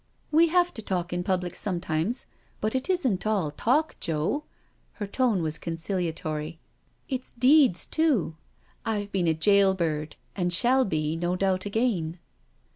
" We have to talk in public sometimes — but it isn't all talk, Joe "— ^her tone was conciliatory —" it's deeds too. I've been a jail bird and shall be, no doubt, again."